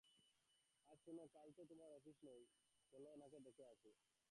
আর শোন, কাল তো তোমার অফিস নেই, চল ওনাকে দেখে আসি।